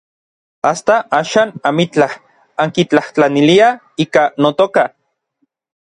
Asta axan amitlaj ankitlajtlaniliaj ika notoka.